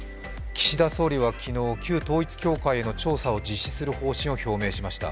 岸田総理は昨日、旧統一教会への調査を実施する方針を表明しました。